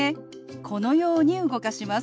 このように動かします。